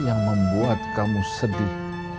yang membuat kamu sedih